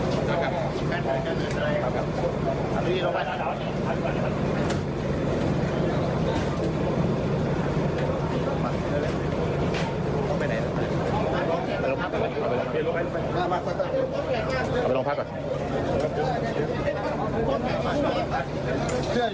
กล้องไปไหนจนแล้วไปลงพักก่อนมาลงพักก่อน